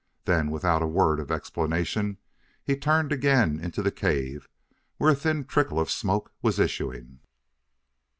Then, without a word of explanation, he turned again into the cave where a thin trickle of smoke was issuing.